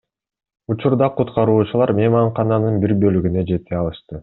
Учурда куткаруучулар мейманкананын бир бөлүгүнө жете алышты.